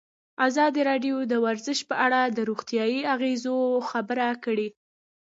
ازادي راډیو د ورزش په اړه د روغتیایي اغېزو خبره کړې.